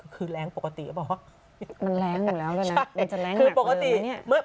คือแรงปกติหรอมันจะแรงหนักเลย